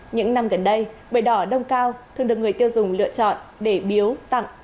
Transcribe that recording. những năm gần đây bưởi đỏ đông cao thường được người tiêu dùng lựa chọn để biếu tặng